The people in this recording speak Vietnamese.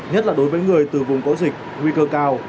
nhất là đối với người từ vùng có dịch nguy cơ cao